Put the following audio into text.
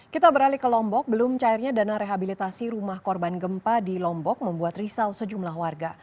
kita beralih ke lombok belum cairnya dana rehabilitasi rumah korban gempa di lombok membuat risau sejumlah warga